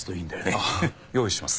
ああ用意します。